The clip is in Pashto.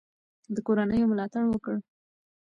د کورنیو ملاتړ وکړئ.